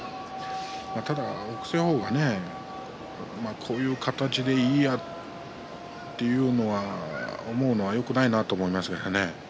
ただ北青鵬がこういう形でいいやというのは思うのはよくないなと思いますけれどもね。